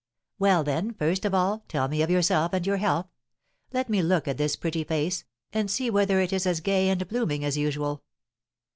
"Well, then, first of all, tell me of yourself and your health. Let me look at this pretty face, and see whether it is as gay and blooming as usual.